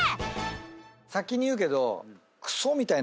先に言うけど。